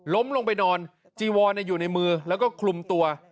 ลงไปนอนจีวอนอยู่ในมือแล้วก็คลุมตัว